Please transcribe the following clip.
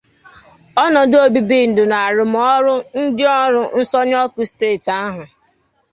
ọnọdụ obibindụ na arụmọrụ ndị ọrụ nsọnyụ ọkụ steeti ahụ